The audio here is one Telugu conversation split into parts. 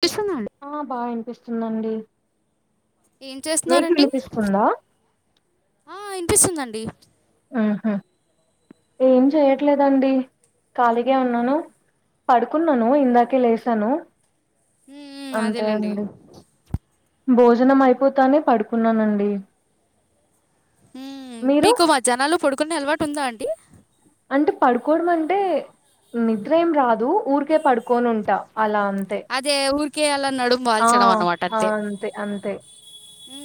వినిపిస్తుందా అండి ఆ బా ఇనిపిస్తుందండి ఏం చేస్తున్నారండి వినిపిస్తుందా ఆ ఇనిపిస్తుందండి ఆహా ఏం చెయట్లేదండి ఖాళీగే ఉన్నాను పడుకున్నాను ఇందాకే లేసాను ఉమ్ అంతే అదేలేండి అండి భోజనం అయిపోతానే పడుకున్నానండి ఉమ్ మీరు మీకు మధ్యాహనాల్లో పడుకునే అలవాటు ఉందా అండి అంటే పడుకోవడం అంటే నిద్ర ఏం రాదు ఊరికే పడుకోని ఉంటా అలా అం తే అదే ఊరికే అలా నడుము ఆ వాల్చడం అన్నమాట అంతే అంతే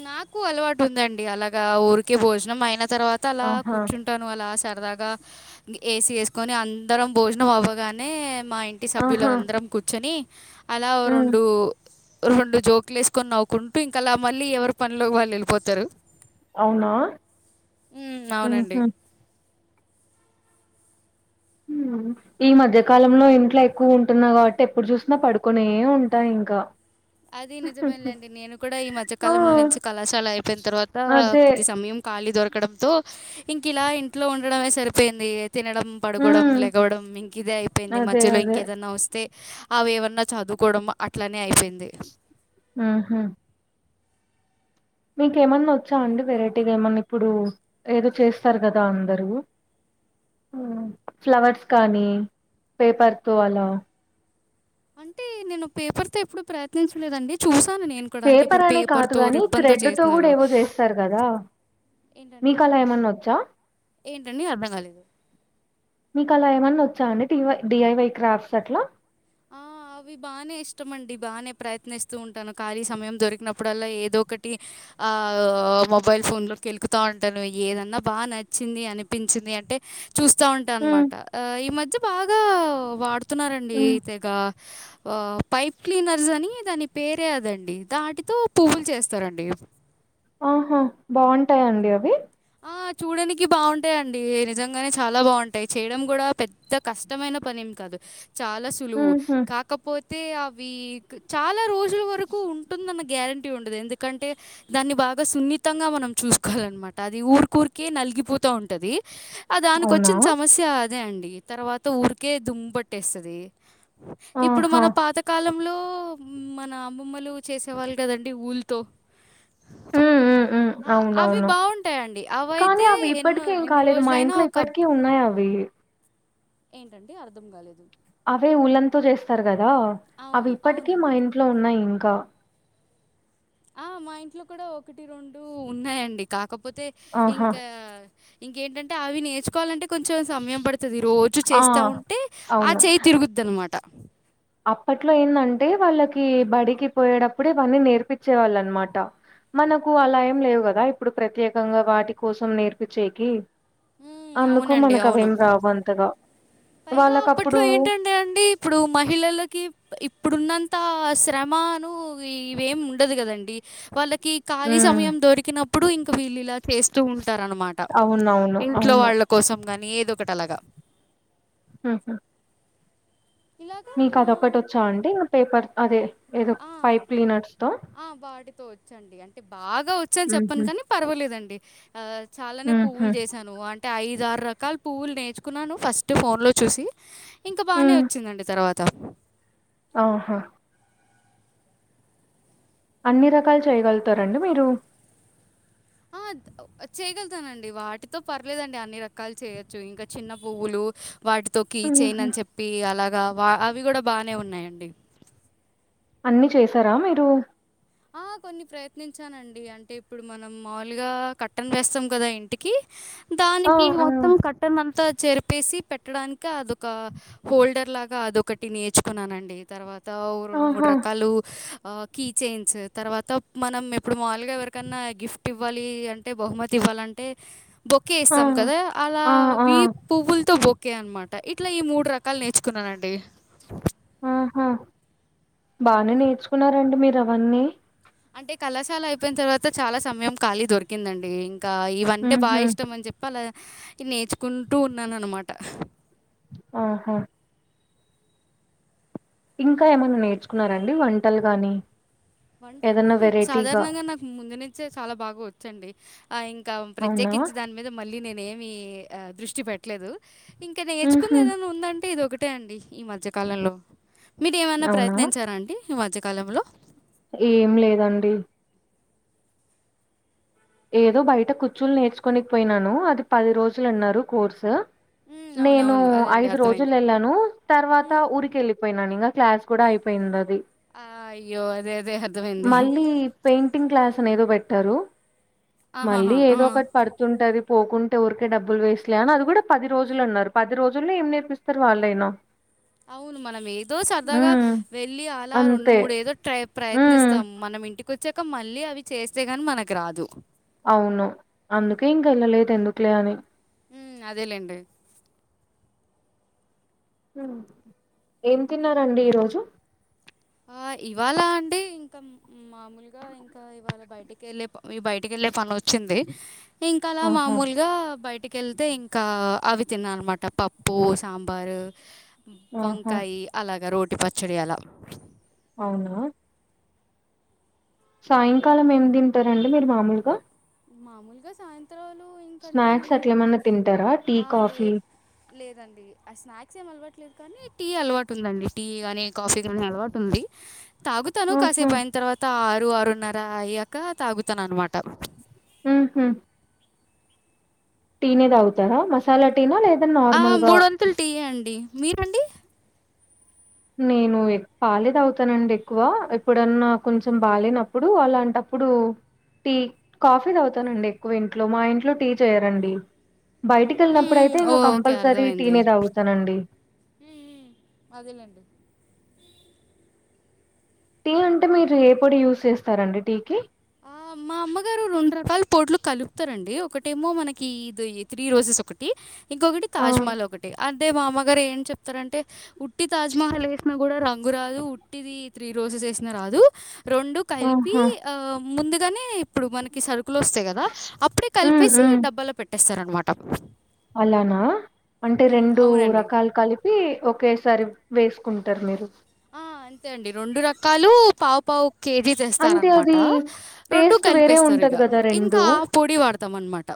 నాకు అలవాటు ఉందండి అలాగా ఊరికే భోజనం అయిన తర్వాత అలా ఆహా కూర్చుం టను అలా సరదాగ ఏసి యేసుకొని అందరం భోజనం అవ్వగానే మా ఇం టి సభ్యులం ఆహా అందరం కూర్చొని అలా హ్మ్ రెండు రెండు జోకులు ఏసుకొని నవ్వుకుంటూ ఇంకా అలా మళ్ళీ ఎవరి పనిలో వాళ్ళు ఎళ్ళిపోతారు అవునా ఉమ్ మ్మ్ అవునండి హూ హ్మ్ ఈ మధ్యకాలంలో ఇంట్లో ఎక్కువ ఉంటున్నా కాబట్టి ఎప్పుడు చూసినా పడుకొనే ఉంటా ఇంకా అది నిజమేలేండి నేను కూడా ఈ ఆ! మధ్యకాలంలో నుంచి కళాశాల అయిపోయిన తర్వాత అదే. కొద్ది సమయం ఖాళీ దొరకడంతో ఇంక ఇలా ఇంట్లో ఉండడమే సరిపోయింది తినడం పడుకోడం హ్మ్. లెగవడం ఇంక ఇదే అయిపోయింది అదే. మధ్యలో అదే. ఇంకేదన్నా వస్త అయితే అవి ఏవన్నా చదువుకోవడం అట్లనే అయిపోయింది మ్మ్ హూ మీకెమన్నా వచ్చా అండి వెరైటీగా ఏమన్నా ఇప్పుడు ఏదో చేస్తారు కదా అందరు ఫ్లవర్స్ కానీ పేపర్తో అలా అంటే నేను పేపర్ తో ఎప్పుడు ప్రయత్నించలేదండి చూసాను నేను కూడా అంటే పేపర్ ఇప్పుడు అనే కాదు పేపర్తో గానీ రిబ్బన్తో థ్రెడ్‌తో గూడా చేస్తునారు ఏవో జేస్తారు గదా! ఏంటండి మీకలా ఏమన్నా వచ్చా? ఏంటండి అర్థం కాలేదు మీకు అలా ఏమన్నా వచ్చా అండి డివై డిఐవై క్రాఫ్ట్స్ అట్లా ఆ! అవి బానే ఇష్టమండి బానే ప్రయత్నిస్తూ ఉంటాను ఖాళీ సమయం దొరికినప్పుడల్లా ఏదో ఒకటి ఆ మొబైల్ ఫోన్ లో కెలుకుతా ఉంటాను ఏదన్నా బాగా నచ్చింది అనిపించింది అంటే చూస్తా ఉంటా హ్మ్. అన్నమాట ఆ ఈ మధ్య బాగా వాడుతున్నారండి హ్మ్. తెగ ఆ పైప్ క్లీనర్స్ అని దాని పేరే అదండి దాటితో పువ్వులు చేస్తారండి ఆహా బాగుంటాయండి అవి ఆ చూడనికి బాగుంటాయండి నిజంగానే చాలా బాగుంటాయి చేయడం కూడా పెద్ద కష్ ఉత్తమమైన పని ఏం కాదు చాల స్ [unintelligible] లు హుహు. కాకపోతే అవి చాలా రోజుల వరకు ఉంటుందన్న గ్యారంటీ గట్టిగా ఉండదు ఎందుకంటే దాన్ని బాగా సున్నితంగా మనం చూసుకోవాలిన్నమాట అది ఊరికరికే నలిగిపోతా ఉంటది ఆ దానికి అవునా? వచ్చిన సమస్య ఇదే అండి తర్వా ఊరికే దుమ్ పట్టేస్తుంది ఇప్పుడు ఆహా! మన పాత కాలంలో మన అమ్మమ్మలు చేసేవాళ్ళు కదండి వూల్ తో హు ఉ ఉ అవి అవునవును బావుంటాయండి. కానీ అవైతే అవి ఎన్నో ఇప్పటికి ఏం ఎన్ని కాలేదు మా రోజులైనా ఇంట్లో ఒక ఇప్పటికి ఉన్నాయి అవి ఏంటండి అర్థం కాలేదు అవే ఉలన్ తో చేస్తారు కదా అవి అవును. ఇప్పటికీ మా అవునండి. ఇంట్లో ఉన్నాయి ఇంకా ఆ మా ఇంట్లో కూడా ఒకటి రెండు ఉన్నాయంండి కాకపోతే ఆహా ఇంకా ఇంకేంటంటే అవి నేచూకోవాలంటే కొంచం సమయం పడుతుది రోజు ఆ చేస్తా ఉంటే ఆ అవును చేయి తిరుగుద్ది అనమాట అప్పట్లో ఏందంటే వాళ్ళకి బడికి పోయేటప్పుడే ఇవన్నీ నేర్పించే వాళ్ళ అనమాట మనకు అలా ఏం లేవు కదా ఇప్పుడు ప్రత్యేకంగా వాటి కోసం నేర్పించేకి హ్మ్. అందుకు అవునండి. మనకు అవును. అవేం రావు అంతగా పైగా వాళ్ళకప్పుడు అప్పట్లో ఏంటంటే అండి ఇప్పుడు మహిళలకి ఇప్పుడున్నంత శ్రమను ఇవేమి ఉండదు కదండి వాళ్లకి ఖాళీ హ్మ్ సమయం దొరికినప్పుడు ఇంక వీళ్లు ఇలా చేస్తూ ఉంటారునమాట అవునవును ఇంట్లో అవును వాళ్లు కోసం గాని ఏదొ ఒకటి అలాగా ఆ హ ఇలాగా మీకు మా అదొకటి వచ్చా అండి పేపర్ అదే ఏదో ఆ, పైప్ ప్లీనర్స్ తో ఆ వాటితో వచ్చండి అంటే బాగా వచ్చని చెప్పను హుహు కానీ పర్వాలేదండి అ చాలానే హుహు పువ్వులు చేశాను అంటే ఐద ఆరు రకాల పువ్వులు నేర్చుకున్నాను ఫస్ట్ ఫోన్లో చూసి ఇంకా బాగానే హ్మ్. వచ్చిందండి తర్వాత త ఆహా అన్ని రకాలు చేయగలుగుతారండి మీరు ఆ చేయగగుతానండి వాటితో పర్లేదండి అన్ని రకాలు చేయొచ్చు ఇంకా చిన్న పువ్వులు వాటితో కీ చేయిన్ హుహు. అని చెప్పి అలాగా వా అవి కూడా బానే ఉన్నాయండి అన్ని చేశారా మీరు ఆ కొన్ని ప్రయత్నించా నం అండి అంటే ఇప్పుడు మనం మాములుగా కర్టన్ వేస్తాం కదా ఇంటికి ఆ! దానికి ఆ! మొత్తం కటన్ అంతా చెరిపేసి పెట్ట పెట్టడానికి అదొక హోల్డర్ లాగా అదొకటి నేర్చుకున్నానండి తర్వాత తావు రెండు మూడు ఆహా! రకాలు కీ చైన్ తర్వాత మనం ఇప్పుడు మాముూలుగా ఎవరికన్నా గిఫ్ట్ ఇవ్వాలి అంటే బహుమతి ఇవ్వాలంటే బొకే ఆ! ఇస్తాం కదా అలా ఆ! ఆ! వి పువ్వులతో బొ కే అనమాట ఇట్లా ఈ మూడు రకాలు నేర్చుకున్నానండి ఆహా బానే నేర్చుకున్నారండి మీరు అవన్నీ అంటే కళాశాల అయిపోయిన తర్వాత చాలా సమయం ఖాళీ దొరికిందండి ఇంకా ఇవంటే బాగా హుహు. ఇష్టం అని చెప్పి అళ్ళ నేర్చుకుంటూ ఉన్నాను అనమాట ఆహా ఇంకా ఏమన్నా నేర్చుకున్నారా అండి వంటలు గాని వంటలు ఏదన్నా వెరైటీగా సాధారణంగా నాక్ ముందు నుంచే చాలా బాగా వచ్చండి ఆ ఇంకా అవునా? ప్రత్యేకించి దాని మీద మళ్ళీ ఆ నేనేమి దృష్టి పెట్టలేదు ఇంకా నేర్చుకుది హుహు. ఏదనా ఉందంటే ఇది ఒకట్ అంతే అండి ఈ మధ్యకాలంలో మీరు ఏమన్నా అవునా? ప్రయత్నించారా అండి ఈ మధ్యకాలంలో ఏం లేదండి ఏదో బయట కుచ్చుళ్ళు నేర్చుకోనేకి పోయినాను అది పది రోజులు అన్నారు కోర్సు ఉమ్, నేను అవునవును అదే అండి ఐదు రోజులు అర్థమైంది ఏళ్ళాను తర్వాత ఊరికి వెళ్ళిపో పోయినాను ఇంగా క్లాస్ కూడా అయిపోయింది అది ఆ అయ్యో అదే అదే అర్థమైంది మళ్ళీ పెయింటింగ్ క్లాస్ అనీ ఏదో పెట్టారు మళ్ళీ ఆహాహా ఆ. ఏదో ఒకటి పడు తుంటది పోకుంటే ఊరికే డబ్బులు వేస్ట్లే అని అది కూడా పది రోజులు అన్నారు పది రోజుల్లో ఏం నేర్పిస్తారు వాళ్ళైనా అవును మనం ఏదో సరదాగా హ్మ్ వెళ్ళి అలా రెండు అంతే మూడు ఏదో ట్రై హ్మ్ ప్రయత్నిస్తాం మనం ఇంటి కో వచ్చాక మళ్ళీ అవి చేస్తే గాని మనకి రాదు అవును అందుకే ఇంక ఏళ్ళలేదు ఎందుకులే అని ఉ అదేలేండి ఉ ఏం తిన్నారండి ఈరోజు ఆ ఇవాళ అండి ఇంకా మామూలుగా ఆ ఇంకా ఇవాళ బయటికి వెళ్ళలే ఈ బయటకిెళ్లే పని వచ్ చ్చింది ఇంకా అలా ఆహా! మామూలుగా బయటకి కేళ్ తె ఇంకా అవి తిన్నా అన్నమాట పప్పు సాంబారు ఆహా! వంకాయి అలాగా రోటి పచ్చడి అలా అవునా సాయంకాలం ఏం తింటారండి మీరు మామూలుగా మామూలుగా సాయంత్రాలు ఇంకంటే స్నాక్స్ నేను అట్ల ఏమన్నా తింటారా టీ ఆ లే కాఫీ లేదండి ఆ స్నాక్స్ ఏం అలవాటు లేదు కానీ టీ అలవాటు ఉందండి టీ గాని కాఫీ గాని అలవాటు ఉంది తాగుతాను ఆహా! కాసేపు అయిన తర్వాత ఆరు ఆరున్నర అయ్యాక తాగుతాను అనమాట ఉహు టీ నే తాగుతారా మసాలా టీనా లేదా నార్మల్ గా టి ఏ అండి మీరండి నేను ఏక్ పాలే తాగుతానండి ఎక్కువ ఎప్పుడన్నా కొంచం బాలేేనప్పుడు అలాంటప్పుడు టీ కాఫీ తగుతానండి ఎక్కువ ఇంట్లో మా ఇంట్లో టీ చేయరండి బయిటికి వెళ్ళినప్పుడు మ్మ్. అయితే ఇంగా ఓకే కంపల్సరీ టీ నే తగుతానండి ఉ ఉ అదెలేండి టీ అంటే మీరు ఏ పొడి యూజ్ చేస్తారండి టీ కి ఆ మా మా అమ్మగారు రెండు రకాల పొడ్లు కలుపుతారండి ఒకటేమో మనకి ఇది త్రీ రోజెస్ ఒకటి ఇంకొకటి ఆ! తాజ్మహల్ ఒకటి అదే మా అమ్మగారు ఏం చెప్ తరంటే ఉట్టి తాజ్మహల్ ఏసినా కూడా రంగు రాదు ఉట్టిది ఈ త్రీ రోజెస్ ఏసిన రాదు రోడు కలిపి ఆహా! ఆ ముందుగా నే ఇప్పుడు మనకి సక్ కులు వస్తాయి కదా అప్పుడే హ్మ్. కలిపేసి హ్మ్. డబ్బలో పెట్టేస్తారనమాట అలానా అంటే ఉమ్, రెండు అవునండి రకాల్ కలిప్ ఒకేసారి వేసుకుంటారు మీరు. ఆ, అంతే అండి రెండు రకాలు పావ్. పావ్ కేజీ తెస్తార అంటే అనమాట అది రెండు టేస్ట్ వేరే కలిపేస్తారు ఇగ ఉంటది గదా! ఇంకా పొడి వాడ్. తమన్ మాట.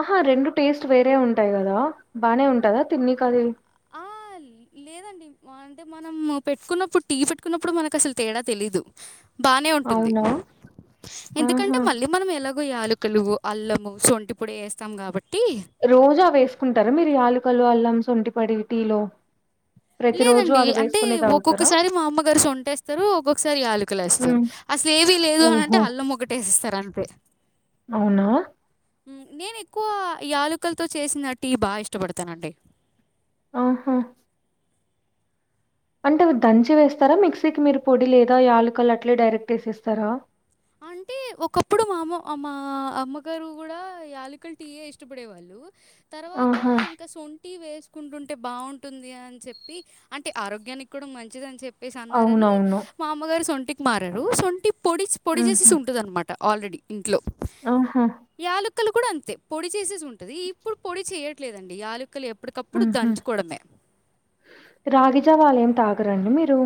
ఆహా రెండు టేస్ట్ వేరే ఉంటాయి కదా బానే ఉంటదా తిన్నికి అది. ఆ లేదన్. అంటే మనం పెట్టుకున్నప్పుడు టీ పెట్టుకున్నప్పుడు మనకు అసలు తేడా తెలిదు. బానే ఉంటుంది అవునా? ఎందుకంటే ఆహా! మళ్ళీ. మనం ఎలాగో యలుకలు అల్లము సొంటిపొడి ఏస్తాం కాబట్టి. రోజు అవి వేసుకుంటారు మీరు యాలకలు అల్లం సొంటిపడి టీలో. ప్రతిరోజు లేదండి అది అంటే వేసుకుని తాగుతారా? ఒక్కొక్కసారి మా అమ్మగారు సొంటేస్తారు ఒక్కొక్కసారి యాలుకలేస్తారు. హ్మ్. అసలు ఏవీ లేదు అనంటే ఓహో! అల్లం ఒకటేస్తరు అంతే. అవునా. నేను ఎక్కువ ఈ యలుకలతో చేసిన టీ బా ఇష్టపడతానండి. ఆహా. అంటే మీరు దంచి వేస్తరా మిక్సీకి మీరు పొడి లేదా యలుకలు అట్లా డైరెక్ట్ వేసేస్తరా. అంటే ఒకప్పుడు మా అమ్మ మా మా అమ్మగారు కూడా యాలికలు టీయే ఇష్టపడేవాళ్. లు తర్వాత ఆహా! ఇంక్. సొంటి వేసుకుంటుంటే బాగుంటుంది అని చెప్పి అంటే ఆరోగ్యానికి కూడా మంచిది అని చెప్. వేసి అన్నారని అవునవును. మా అమ్మగారు సొంటికి మారారు సొంటికి పొడిస్ పొడి హుహు. చేేసిసుంటదన్నమాట. ఆల్రెడీ ఇంట్లో. ఆహా. యాలక్కలు కూడా అంతే పొడి చేసేసి ఉంటది ఇప్పుడు పొడి చేయట్లేదండి యాలు. క్కలు ఎప్పటికప్పుడు దంచుకోవడమే. రాగిజావ అల ఏం తాగరండి మీరు.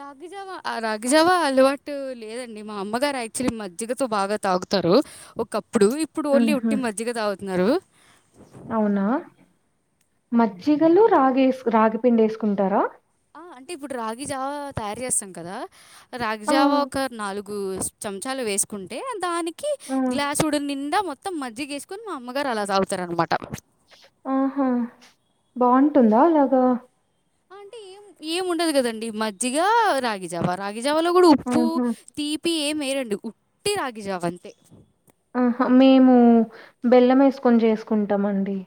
రాగిజావ. రాగజావ అలవాటు లేదండి మా అమ్మగారు యాక్చువలీ మజ్జిగతో బాగా తాగుతారు. ఒకప్పుడు ఇప్పుడు ఓన్లీ హుహు. ఉట్టి మజ్జిగ తాగుతున్నారు. అవునా మజ్జిగలు రాగ ఎసు రాగిపిండి వేసుకుంటారా. ఆ అంటే ఇప్పుడు రాగి జావా తయారు చేస్తాం కదా రాగి ఆ! జావా ఒక నాలుగ్. గు చంచాలు వేసుకుంటే దానికి ఆ! గ్లాసుడి నిండా మొత్తం మజ్జిగా ఏస్. మా అమ్మగారు అలా తాగుతారనమాట. ఉహు బాగుంటుందా అలాగా. అంటే ఏం ఏం ఉండదు కదండి మజ్జిగ రాగిజావ రాగిజావలో కూడా ఉప్పు ఆహా! తీప్. పి ఏమ్ మేయరండి ఉట్టి రాగిజావ అంతే. మేము బెల్లం వేసుకొని చేసుకుంటామండి.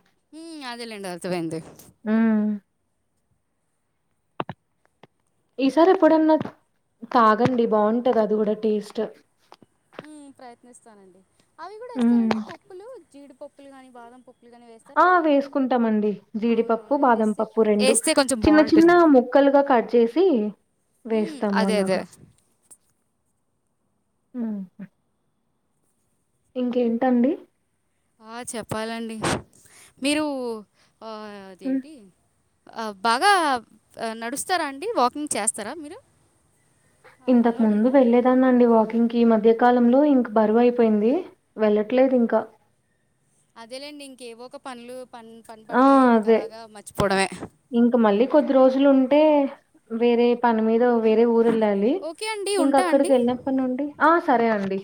అదేలేండి అర్థమైంది. ఊ. ఈసారి ఎప్పుడన్నా తాగండి బాగుంటది అది కూడా టేస్ట్. హ్మ్. ప్రయత్నిస్తానండి అవి కూడా హ్మ్. ఇస్తారండి పప్పులు జీడిపప్పులు కానీ బాదం పప్. ఆ వేసుకుంటామండి, జీడిపప్పు అవునవును. బాదం ఏస్తే పప్పు రెండు ఏస్తే కొంచెం చిన్న చిన్న బావుంటుంది. ముక్కలుగా కట్. చేసి హ్మ్. వేస్తాము అదే అదే. అలాగా. ఉ. ఇంకేంటండి. ఆ చెప్పాలండి మీరు ఆ హ్మ్. అదేంటి. ఆ బాగా నడుస్తారా అండి వాకింగ్ చేస్తారా మీరు? అ ఇంతకు ముందు అలవాటుందా? వెళ్ళేది వెళ్తానండి వాకింగ్కి ఈ మధ్య కాలంలో ఇంక బరువు అయిపోయింది వెళ్ళట్లేదు ఇంక అదేలేండి ఇంక ఏవో ఒక పనులు ఆ! పడతాయి. ఇంక అదే. అలాగా మర్చిపోవడమే. ఇంక మళ్ళీ కొద్ది రోజులు ఉంటే వేరే పని మీద వేరే ఊరు వెళ్ళాలి. ఓకే అండి. ఇంక ఉంటా అక్కడికి అండి. వెళ్ళినప్పటి నుండి ఆ సరే అండి.